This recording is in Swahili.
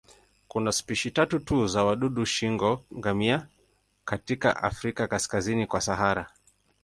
Kuna spishi tatu tu za wadudu shingo-ngamia katika Afrika kaskazini kwa Sahara.